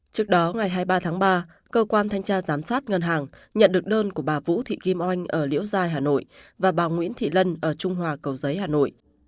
trước đó ngày hai mươi ba tháng ba cơ quan thanh tra giám sát ngân hàng nhận được đơn của bà vũ thị kim oanh ở liễu giai hà nội và bà nguyễn thị lân ở trung hòa cầu giấy hà nội